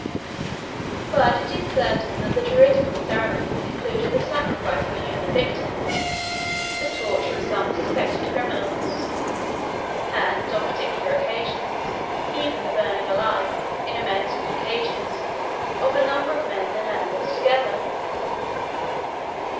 But it is certain that the Druidical ceremonies included the sacrifice of human victims, the torture of some suspected criminals, and, on particular occasions, even the burning alive, in immense wicker cages, of a number of men and animals together.